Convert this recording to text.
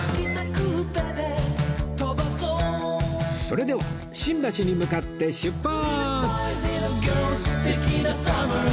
それでは新橋に向かって出発！